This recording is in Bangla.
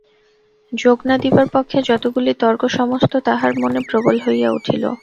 যোগ না-দিবার পক্ষে যতগুলি তর্ক, সমস্ত তাহার মনে প্রবল হইয়া উঠিল।